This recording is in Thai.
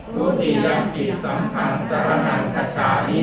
ทุติยังปิตพุทธธังสาระนังขาชามี